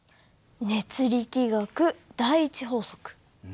熱力学第１法則。